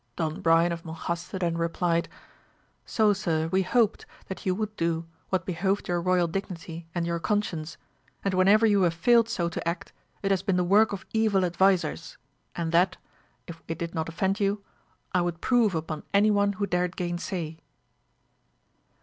Don Brian of Monjaste then replied, So sir we hoped, that you would do what behoved your royal dignity and your conscience, and whenever you have failed so to act it has been the work of evil advisers, and that, if it did not offend you, I would prove upon any one who dared gainsay.